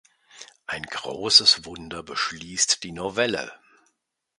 Ein großes Wunder beschließt die Novelle.